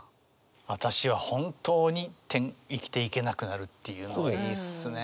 「あたしは本当に、生きていけなくなる」っていうのがいいっすねえ。